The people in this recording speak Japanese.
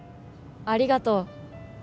ありがとう。